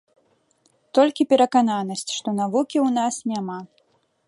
Толькі перакананасць, што навукі ў нас няма.